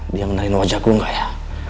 dia menerim wajahku gak ya